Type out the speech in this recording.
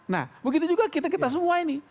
nah begitu juga kita kita semua ini